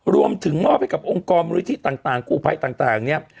รวมถึงมอบให้กับองค์กรมูลนิธิต่างกู้ภัยต่างเนี่ย